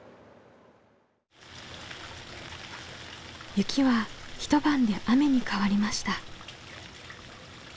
雪は一晩で雨に変わりました。